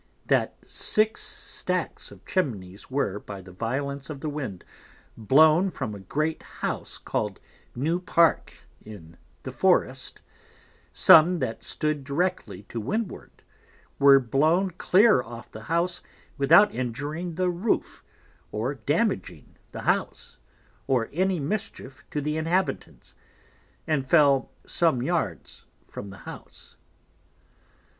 That six Stacks of Chimnies were, by the violence of the Wind, blown from a great House call'd New Park in the Forrest, some that stood directly to Windward, were blown clear off the House without injuring the Roof, or damaging the House, or any mischief to the Inhabitants, and fell some Yards from the House.